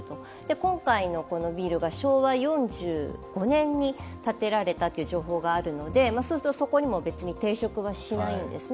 今回のビルが昭和４５年に建てられたという情報があるのでそこにも別に抵触はしないんですね。